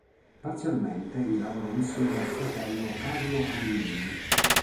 Parzialmente egli lavorò insieme al fratello Carlo Angelini.